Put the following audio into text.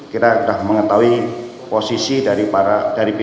kita sudah mengetahui posisi dari pilot dan penyandar ini